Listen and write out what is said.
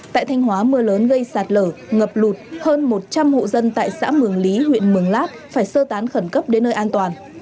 tại thanh hóa mưa lớn gây sạt lở ngập lụt hơn một trăm linh hộ dân tại xã mường lý huyện mường lát phải sơ tán khẩn cấp đến nơi an toàn